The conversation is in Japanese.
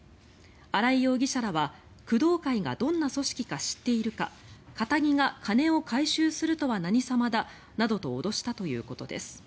荒井容疑者らは、工藤会がどんな組織か知っているかかたぎが金を回収するとは何様だなどと脅したということです。